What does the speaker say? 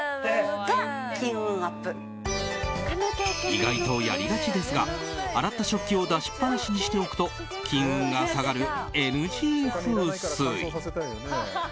意外とやりがちですが洗った食器を出しっぱなしにしておくと金運が下がるＮＧ風水。